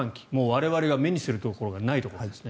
我々が目にするところがないところです。